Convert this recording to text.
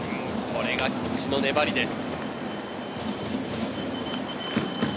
これが菊池の粘りです。